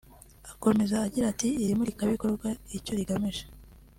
Akomeza agira ati” Iri murikabikorwa icyo rigamije